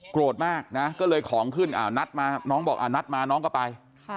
โกรธมากนะก็เลยของขึ้นนัดมาน้องบอกนัดมาน้องก็ไป